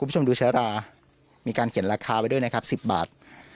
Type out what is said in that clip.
คุณผู้ชมดูเชื้อรามีการเขียนราคาไว้ด้วยนะครับ๑๐บาท